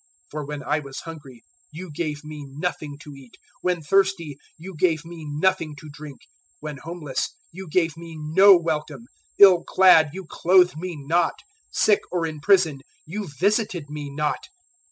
025:042 For when I was hungry, you gave me nothing to eat; when thirsty, you gave me nothing to drink; 025:043 when homeless, you gave me no welcome; ill clad, you clothed me not; sick or in prison, you visited me not.'